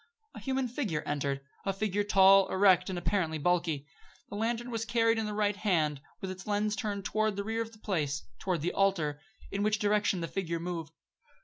A human figure entered; a figure tall, erect, and apparently bulky. The lantern was carried in the right hand, with its lens turned toward the rear of the place toward the altar in which direction the figure moved.